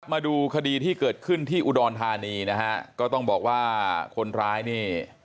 มาดูคดีที่เกิดขึ้นที่อุดรธานีนะฮะก็ต้องบอกว่าคนร้ายนี่